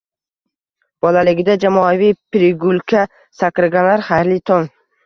Bolaligida jamoaviy prigulka sakraganlar, xayrli tong!